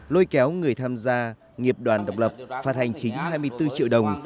lôi kéo người tham gia nghiệp đoàn độc lập phạt hành chính hai mươi bốn triệu đồng